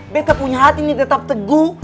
betapunya hati ini tetap teguh